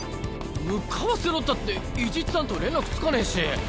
向かわせろったって伊地知さんと連絡つかねぇし。